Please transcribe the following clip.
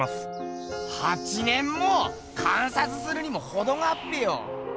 ８年も⁉観察するにもほどがあっぺよ！